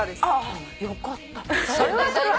よかった。